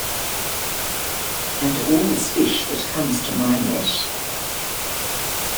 And all's fish that comes to my net.